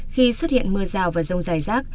khi xuất hiện mưa rào và rông dài rác